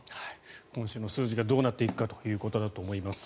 今週の数字がどうなっていくかということだと思います。